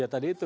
ya tadi itu